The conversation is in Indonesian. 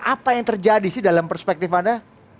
apa yang terjadi sih dalam perspektif anda